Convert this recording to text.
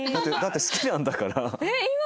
だって好きなんだから。